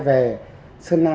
về sơn la